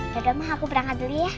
yaudah mah aku berangkat dulu ya